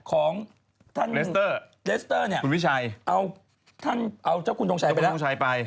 ของท่านเรสเตอร์เนี่ยเอาเจ้าคุณดงชัยไป